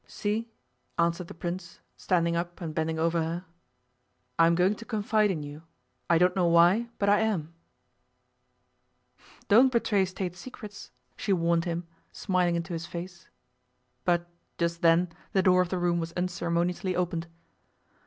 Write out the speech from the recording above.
'See!' answered the Prince, standing up and bending over her. 'I am going to confide in you. I don't know why, but I am.' 'Don't betray State secrets,' she warned him, smiling into his face. But just then the door of the room was unceremoniously opened.